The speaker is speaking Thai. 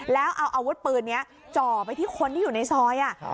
แล้วเอาอาวุธปืนนี้จ่อไปที่คนที่อยู่ในซอย